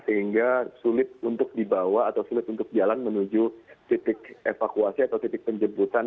sehingga sulit untuk dibawa atau sulit untuk jalan menuju titik evakuasi atau titik penjemputan